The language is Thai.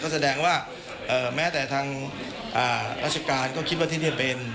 แสดงว่าแม้แต่ทางราชการก็คิดว่าที่นี่เป็น